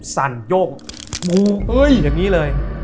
สั่นโยกมูเอ้ยอย่างนี้เลย